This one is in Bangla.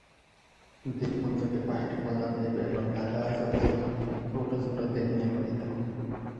দ্বীপপুঞ্জটি পাঁচটি প্রধান দ্বীপ এবং তাদের আশেপাশের ছোট ছোট দ্বীপ নিয়ে গঠিত।